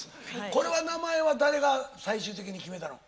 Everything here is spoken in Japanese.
これは名前は誰が最終的に決めたの？